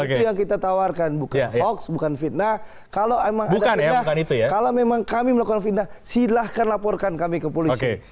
itu yang kita tawarkan bukan hoaks bukan fitnah kalau memang ada fitnah kalau memang kami melakukan fitnah silahkan laporkan kami ke polisi